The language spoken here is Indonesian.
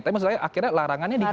tapi akhirnya larangannya dihapus